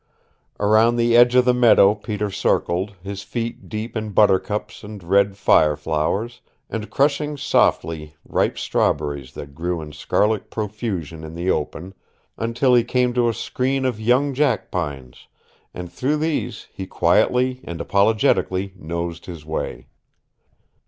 Around the edge of the meadow Peter circled, his feet deep in buttercups and red fire flowers, and crushing softly ripe strawberries that grew in scarlet profusion in the open, until he came to a screen of young jackpines, and through these he quietly and apologetically nosed his way.